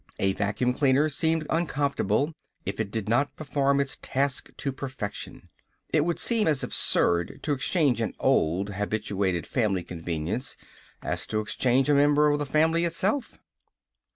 A vacuum cleaner seemed uncomfortable if it did not perform its task to perfection. It would seem as absurd to exchange an old, habituated family convenience as to exchange a member of the family itself.